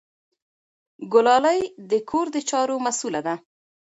ګلالۍ د کور د چارو مسؤله ده.